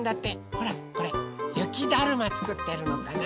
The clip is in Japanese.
ほらこれゆきだるまつくってるのかな？